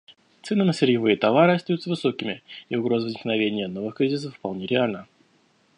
Цены на сырьевые товары остаются высокими, и угроза возникновения новых кризисов вполне реальна.